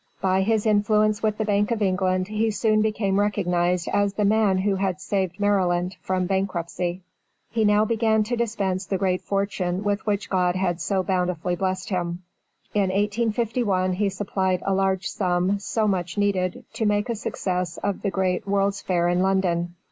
By his influence with the Bank of England, he soon became recognized as the man who had saved Maryland from bankruptcy. He now began to dispense the great fortune with which God had so bountifully blessed him. In 1851 he supplied a large sum, so much needed, to make a success of the great Worlds Fair in London.